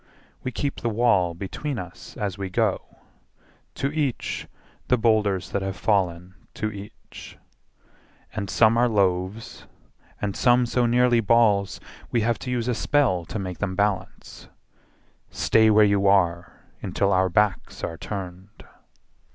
We keep the wall between us as we go. To each the boulders that have fallen to each. And some are loaves and some so nearly balls We have to use a spell to make them balance: "Stay where you are until our backs are turned!"